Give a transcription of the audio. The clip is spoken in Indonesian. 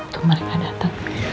tunggu mereka datang